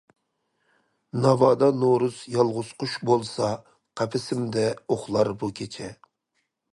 ناۋادا نورۇز يالغۇز قۇش بولسا، قەپىسىمدە ئۇخلار بۇ كېچە.